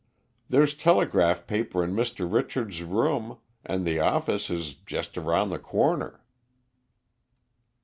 "There's telegraph paper in Mr. Richard's room, and the office is just round the corner."